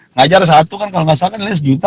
ngajar satu kan kalau gak salah kan ini sejuta